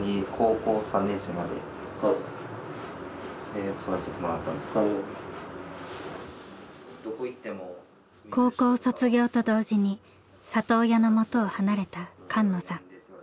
えと自分が高校卒業と同時に里親のもとを離れた菅野さん。